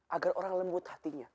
agar orang lembut hatinya